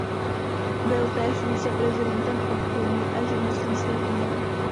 Byl též viceprezidentem obchodní a živnostenské komory.